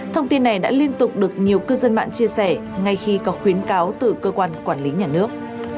thông tin này đã liên tục được nhiều cư dân mạng chia sẻ ngay khi có khuyến cáo từ cơ quan quản lý nhà nước